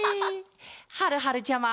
はるはるちゃま！